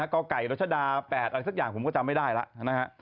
ก็ไก่รถชดา๘อะไรสักอย่างผมก็จำไม่ได้ละ